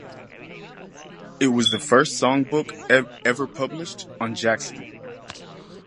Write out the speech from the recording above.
It was the first songbook ever published on Jackson.